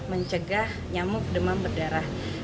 mencegah nyamuk demam berdarah